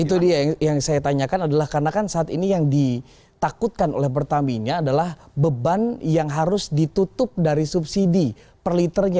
itu dia yang saya tanyakan adalah karena kan saat ini yang ditakutkan oleh pertamina adalah beban yang harus ditutup dari subsidi per liternya